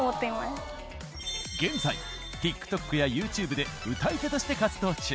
現在ＴｉｋＴｏｋやＹｏｕＴｕｂｅで歌い手として活動中。